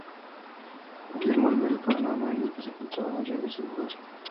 Guillermo, al ver el panorama en el que se encontraba huyó de ese lugar.